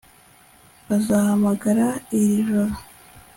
bazahamagara iri joro